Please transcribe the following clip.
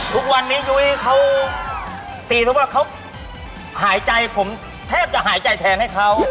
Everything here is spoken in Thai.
ทุกวันนี้ยุ้ยเขาตีเขาว่าเขาหายใจผมแทบจะหายใจแทนให้เขา